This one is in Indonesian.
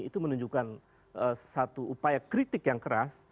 itu menunjukkan satu upaya kritik yang keras